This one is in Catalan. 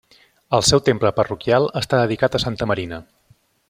El seu temple parroquial està dedicat a Santa Marina.